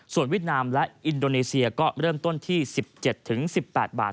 ส่วนเวียดนามและอินโดนีเซียก็เริ่มต้นที่๑๗๑๘บาท